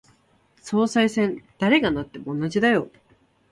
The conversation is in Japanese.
総裁選、誰がなっても同じだよ。